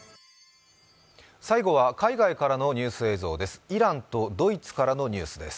最後は海外からのニュース映像です。